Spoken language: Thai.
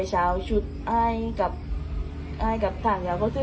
จะเอาอาพันธุ์